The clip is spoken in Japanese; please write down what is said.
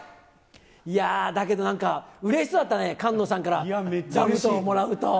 だけどなんか、うれしそうだったね、菅野さんから座布団もらうと。